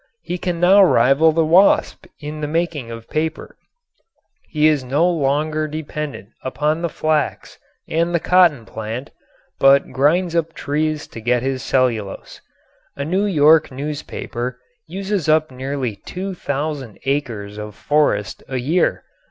He can now rival the wasp in the making of paper. He is no longer dependent upon the flax and the cotton plant, but grinds up trees to get his cellulose. A New York newspaper uses up nearly 2000 acres of forest a year.